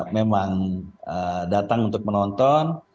memang datang untuk menonton